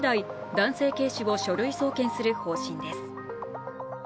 男性警視を書類送検する方針です。